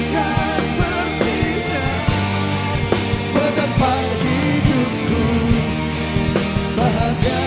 yang paling hebat suaranya